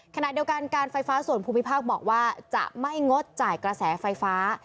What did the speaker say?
ขณะเดียวกันการไฟฟ้าส่วนภูมิภาคบอกว่าจะไม่งดจ่ายกระแสไฟฟ้า